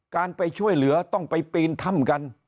การไปช่วยเหลือต้องไปปีนถ้ำกัน